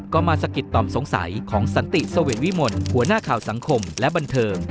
ก็มาสะกิดต่อมสงสัยของสันติเสวดวิมลหัวหน้าข่าวสังคมและบันเทิง